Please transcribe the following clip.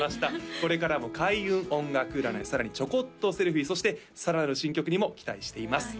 これからも開運音楽占いさらにちょこっとセルフィーそしてさらなる新曲にも期待しています